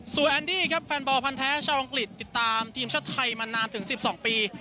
ส่วนแอนดี้ครับแฟนบอลพันธ์แท้ชาวอังกฤษติดตามทีมชาติไทยมานานถึง๑๒ปี